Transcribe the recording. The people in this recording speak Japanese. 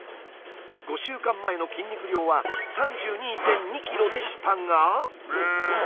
５週間前の筋肉量は３２．２ｋｇでしたが。